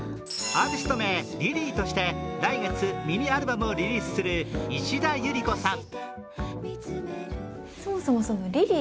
アーティスト名・ｌｉｌｙとして来月ミニアルバムをリリースする石田ゆり子さん。